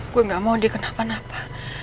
gue gak mau dikenakan apa